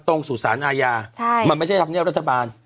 ตรงศาลอายามันไม่ใช่ธรรมเนี่ยวรัฐบาล